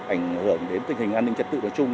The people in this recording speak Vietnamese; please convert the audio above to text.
ảnh hưởng đến tình hình an ninh trật tự nói chung